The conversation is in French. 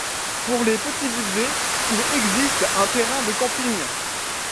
Pour les petits budgets, il existe un terrain de camping.